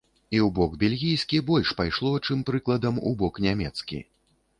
І ў бок бельгійскі больш пайшло, чым, прыкладам, у бок нямецкі.